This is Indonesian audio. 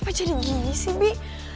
kenapa jadi gini sih bi